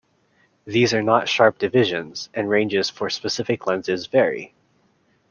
These are not sharp divisions, and ranges for specific lenses vary.